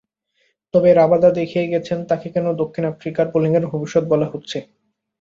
তবে রাবাদা দেখিয়ে গেছেন, তাঁকে কেন দক্ষিণ আফ্রিকার বোলিংয়ের ভবিষ্যৎ বলা হচ্ছে।